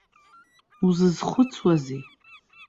Узызхәыцуазеи?